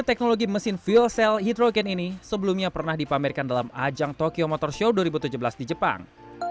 teknologi mesin fuel cell hidrogen ini sebelumnya pernah dipamerkan dalam ajang tokyo motor show dua ribu tujuh belas di jepang